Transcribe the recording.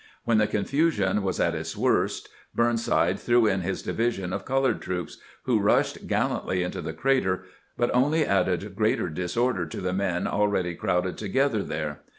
When the confusion was at its worst Burnside threw in his division of colored troops, who rushed gal lantly into the crater, but only added greater disorder to the men already crowded together there.